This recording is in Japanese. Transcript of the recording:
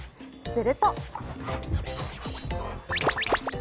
すると。